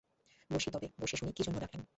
বসি তবে বসে শুনি কীজন্য ডাকলেন!